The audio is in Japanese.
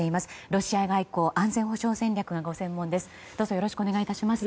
ロシア外交、安全保障戦略がご専門です。